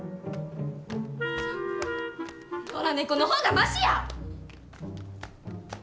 野良猫の方がマシや！